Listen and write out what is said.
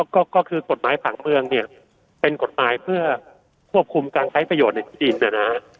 ก็คือกฎหมายผังเมืองเนี่ยเป็นกฎหมายเพื่อควบคุมการใช้ประโยชน์ในที่ดินนะฮะ